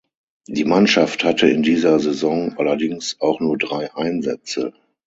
Die Mannschaft hatte in dieser Saison allerdings auch nur drei Einsätze.